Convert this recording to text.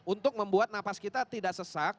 untuk membuat nafas kita tidak sesak